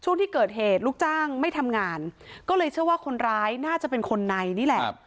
ช่วงที่เกิดเหตุลูกจ้างไม่ทำงานก็เลยเชื่อว่าคนร้ายน่าจะเป็นคนในนี่แหละ